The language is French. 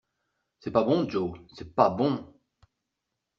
C’est pas bon Jo, c’est pas bon.